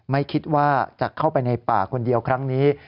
ไม่คิดว่าจะเข้าไปในป่าคนเดียวครั้งนี้